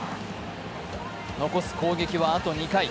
残す攻撃はあと２回。